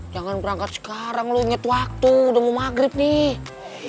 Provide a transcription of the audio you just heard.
jangan berangkat sekarang loh inget waktu udah mau maghrib nih